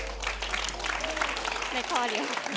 ผิดนะครับ